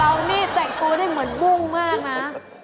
เรานี่แต่งตัวได้เหมือนบุ้งมากนะ